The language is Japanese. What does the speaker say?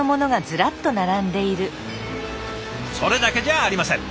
それだけじゃありません。